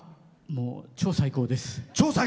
超最高です。